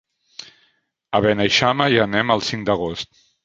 A Beneixama hi anem el cinc d'agost.